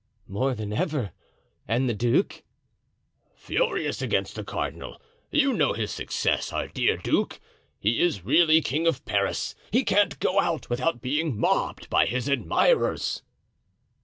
"More than ever. And the duke?" "Furious against the cardinal. You know his success—our dear duke? He is really king of Paris; he can't go out without being mobbed by his admirers."